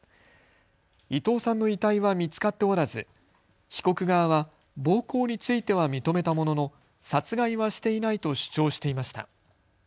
伊藤さんの遺体は見つかっておらず被告側は暴行については認めたものの殺害はしていないと主張していました。